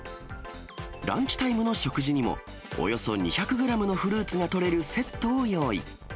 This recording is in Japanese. ランチタイムの食事にも、およそ２００グラムのフルーツがとれるセットを用意。